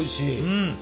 うん！